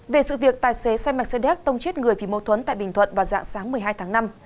về sự việc tài xế xe mercedes tông chết người vì mâu thuẫn tại bình thuận vào dạng sáng một mươi hai tháng năm